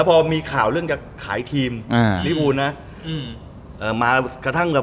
พอมีข่าวเรื่องกับขายทีมนี่คุณนะ